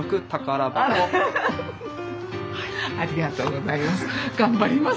ありがとうございます。